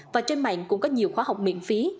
và trên mạng cũng có nhiều khóa học miễn phí